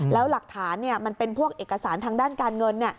แล้วหลักฐานมันเป็นพวกเอกสารทางด้านการเงิน